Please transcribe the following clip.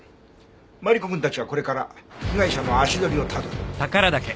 マリコくんたちはこれから被害者の足取りをたどる。